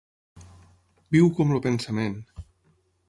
Viu com el pensament.